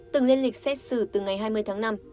từng lên lịch xét xử từ ngày hai mươi tháng năm